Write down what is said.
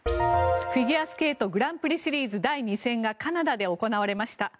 フィギュアスケートグランプリシリーズ第２戦がカナダで行われました。